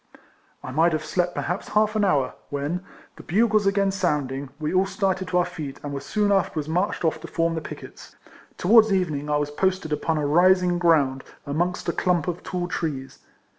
I might have slept perhaps half an hour, when, the bugles again sounding, we all started to our feet, and were soon afterwards marched off to form the picquets. Towards evening I was posted upon a rising ground, amongst a clump of tall trees.